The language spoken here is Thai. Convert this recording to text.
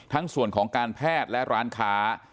ทั้งส่วนของการแพทย์และร้านค้า